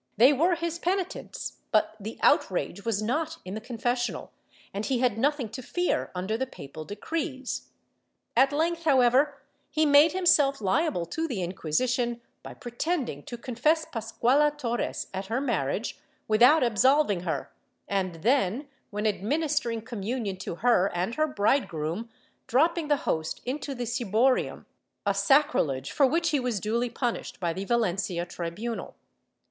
They were his penitents, but the outrage was not in the confes sional and he had nothing to fear under the papal decrees. At length, however, he made himself liable to the Inquisition by pre tending to confess Pasquala Torres, at her marriage, without absolving her and then, when administering communion to her and her bridegroom, dropping the host into the ciborium — a sacri lege for which he was duly punished by the Valencia tribunal.